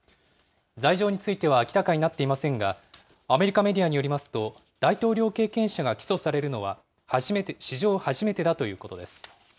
罪状については明らかになっていませんが、アメリカメディアによりますと、大統領経験者が起訴されるのは史上初めてだということです。